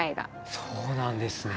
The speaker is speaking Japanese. そうなんですね！